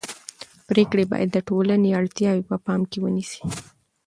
پرېکړې باید د ټولنې اړتیاوې په پام کې ونیسي